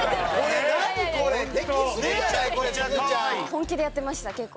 本気でやってました結構。